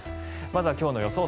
まずは今日の予想